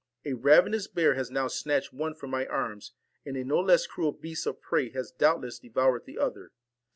A ravenous bear has now snatched one from my arms, and a no less cruel beast of prey has doubt less devoured the other.